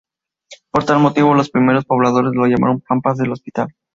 Por tal motivo los primeros pobladores lo llamaron "Pampas de Hospital".